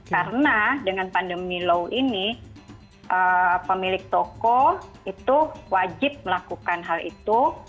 karena dengan pandemi low ini pemilik toko itu wajib melakukan hal itu